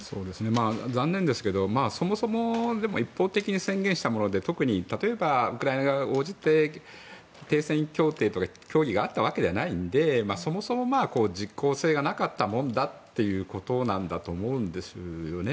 残念ですけどそもそも一方的に宣言したもので特に例えばウクライナ側が応じて停戦協定とか協議があったわけではないのでそもそも実効性がなかったもんだということなんだと思うんです。